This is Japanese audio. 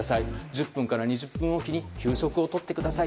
１０分から２０分おきに休息をとってください